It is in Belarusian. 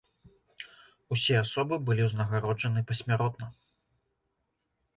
Усе асобы былі ўзнагароджаны пасмяротна.